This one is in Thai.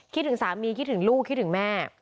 คิดถึงสามีคิดถึงลูกคิดถึงแม่